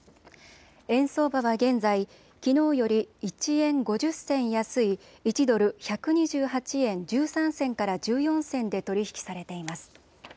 円相場は現在、きのうより１円５０銭安い１ドル１２８円１３銭から１４銭で取り引きされています。